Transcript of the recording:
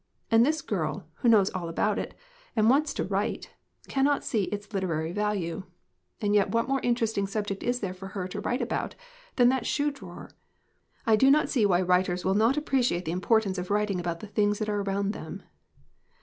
And this girl, who knows all about it, and wants to write, cannot see its literary value ! And yet what more interesting subject is there for her to write about than that shoe drawer? I do not see why writers will not appreciate the importance of writing about the things that are around them."